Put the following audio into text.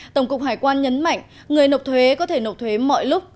tổng cục hải quan nhấn mạnh người nộp thuế có thể nộp thuế mọi lúc